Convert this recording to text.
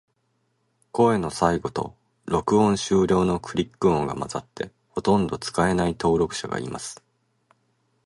声の最後と、録音終了のクリック音が混ざって、ほとんど使えない登録者がいます。